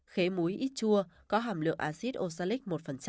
khế múi ít chua có hàm lượng acid osalic một